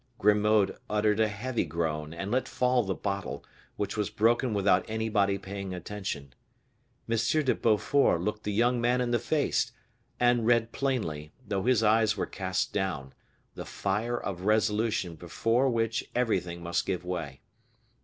Grimaud uttered a heavy groan, and let fall the bottle, which was broken without anybody paying attention. M. de Beaufort looked the young man in the face, and read plainly, though his eyes were cast down, the fire of resolution before which everything must give way.